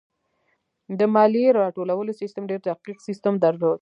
د مالیې راټولولو سیستم ډېر دقیق سیستم درلود.